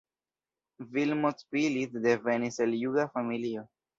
Vilmos Pillitz devenis el juda familio.